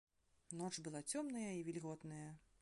Ноч была цёмная і вільготная.